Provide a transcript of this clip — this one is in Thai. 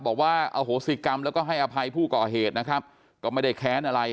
บอกว่าอโหสิกรรมแล้วก็ให้อภัยผู้ก่อเหตุนะครับก็ไม่ได้แค้นอะไร